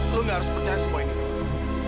lu gak harus percaya semua ini